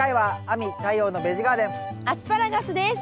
アスパラガスです。